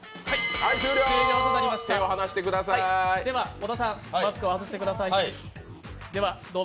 小田さん、マスクを外してください。